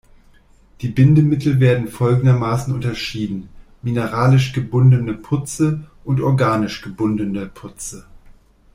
Die Bindemittel werden folgendermaßen unterschieden: "mineralisch gebundene Putze" und "organisch gebundene Putze".